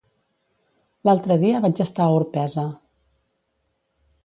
L'altre dia vaig estar a Orpesa.